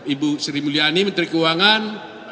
ibu sri mulyani menteri keuangan